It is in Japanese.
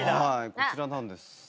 こちらなんです。